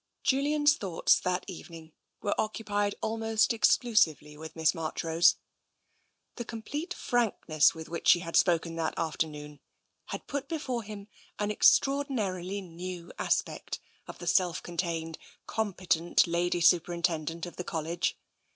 Julian's thoughts that evening were occupied almost exclusively with Miss Marchrose. The complete frankness with which she had spoken that afternoon had put before him an extraordinarily new aspect of the self contained, competent Lady Superintendent of the College.